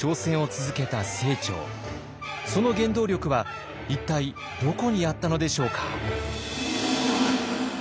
その原動力は一体どこにあったのでしょうか。